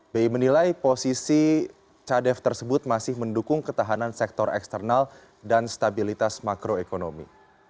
bi menilai posisi cadef tersebut masih mendukung ketahanan sektor eksternal dan stabilitas makroekonomi